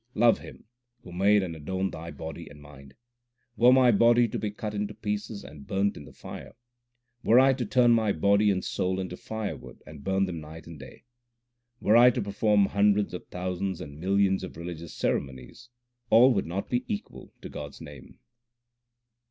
Love Him who made and adorned thy body and mind. Were my body to be cut into pieces and burnt in the fire ; Were I to turn my body and soul into firewood, and burn them night and day ; Were I to perform hundreds of thousands and millions of religious ceremonies, all would not be equal to God s name.